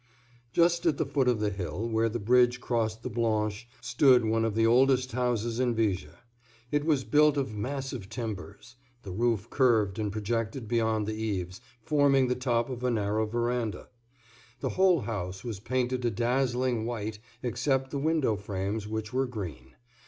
JUST at the foot of the hill, where the bridge crossed the Blanche, stood one of the oldest houses in Viger. It was built of massive timbers. The roof curved and projected beyond the eaves, forming the top of a narrow veranda. The whole house was painted a dazzling white except the window frames, which were green.